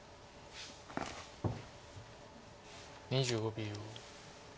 ２５秒。